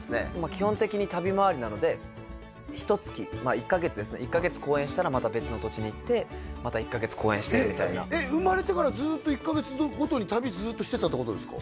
基本的に旅回りなのでひと月まあ１カ月ですねまた１カ月公演してみたいな生まれてからずっと１カ月ごとに旅ずっとしてたってことですか？